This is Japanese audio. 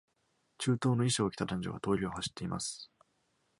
中東の衣装を着た男女が、通りを走っています。